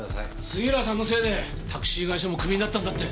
杉浦さんのせいでタクシー会社もクビになったんだって。